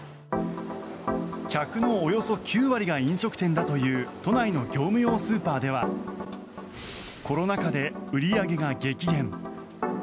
客のおよそ９割が飲食店だという都内の業務用スーパーではコロナ禍で売り上げが激減。